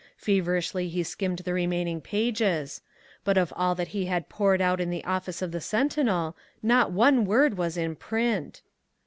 Feverishly he skimmed the remaining pages. But of all that he had poured out in the office of the Sentinel, not one word was in print.